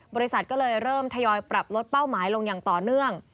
บริษัทก็เลยเริ่มทยอยปรับลดเป้าหมายลงอย่างต่อเนื่อง